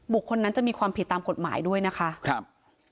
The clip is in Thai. คนนั้นจะมีความผิดตามกฎหมายด้วยนะคะครับ